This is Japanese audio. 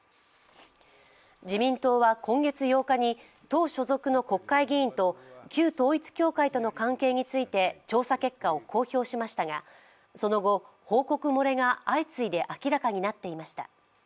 自民党は、今月８日に党所属の国会議員と旧統一教会との関係について調査結果を公表しましたが、その後、報告漏れが相次いで明らかになっていました。